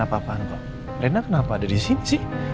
apa apaan kok reina kenapa ada disini sih